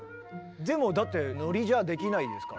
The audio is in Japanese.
でもだってノリじゃできないですからね。